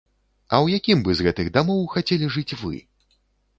А ў якім бы з гэтых дамоў хацелі жыць вы?